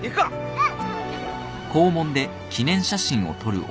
うん。